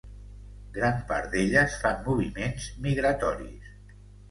Gran part d'elles fan moviments migratoris.